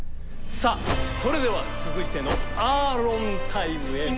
さあそれでは続いてのアーロンタイムへ。